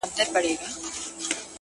پوه انسان له حقیقت نه تښتي نه.